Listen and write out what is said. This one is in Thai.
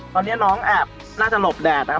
ตอนนี้น้องแอบน่าจะหลบแดดนะครับ